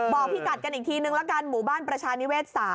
พี่กัดกันอีกทีนึงละกันหมู่บ้านประชานิเวศ๓